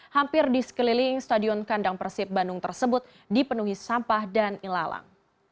hampir di sekeliling stadion kandang persib bandung tersebut dipenuhi sampah dan ilalang